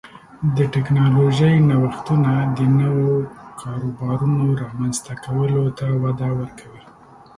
د ټکنالوژۍ نوښتونه د نوو کاروبارونو رامنځته کولو ته وده ورکوي.